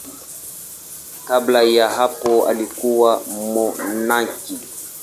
Kabla ya hapo alikuwa mmonaki.